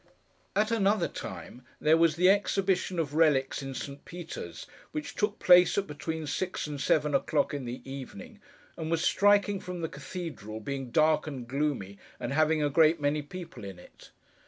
At another time, there was the Exhibition of Relics in St. Peter's, which took place at between six and seven o'clock in the evening, and was striking from the cathedral being dark and gloomy, and having a great many people in it.